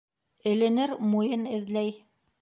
Эленер муйын эҙләй.